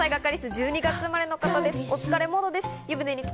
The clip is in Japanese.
１２月生まれの方です。